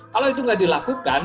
kalau itu nggak dilakukan